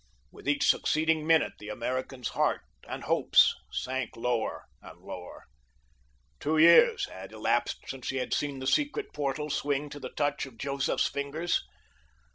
With each succeeding minute the American's heart and hopes sank lower and lower. Two years had elapsed since he had seen the secret portal swing to the touch of Joseph's fingers.